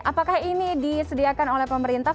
apakah ini disediakan oleh pemerintah